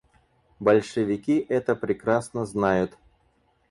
Большевики это прекрасно знают.